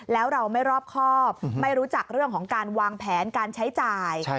แล้วเราไม่รอบครอบไม่รู้จักเรื่องของการวางแผนการใช้จ่าย